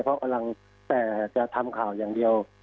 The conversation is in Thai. เพราะกำลังแต่จะทำข่าวอย่างเดียว